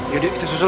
yaudah kita susul